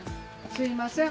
すいません。